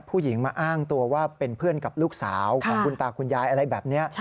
ผู้หญิงมาอ้างตัวว่าเป็นเพื่อนกับลูกสาวของคุณตาคุณยายอะไรแบบนี้